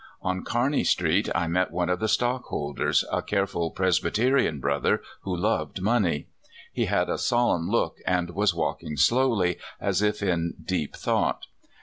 On Kear ny street I met one of the stockholders a careful Presbyterian brother, who loved money. He had a solemn look, and was walking slowly, as if in deep thought.